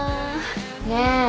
・ねえ。